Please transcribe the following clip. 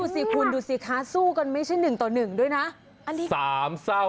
ดูสิคุณดูสิคะสู้กันไม่ใช่หนึ่งต่อหนึ่งด้วยนะ